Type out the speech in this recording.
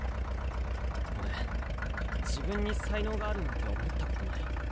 俺自分に才能があるなんて思ったことない。